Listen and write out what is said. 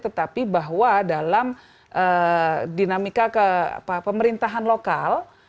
tetapi bahwa dalam dinamika pemerintahan lokal